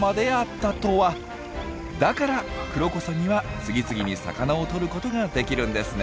だからクロコサギは次々に魚をとることができるんですね。